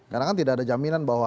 karena kan tidak ada jaminan bahwa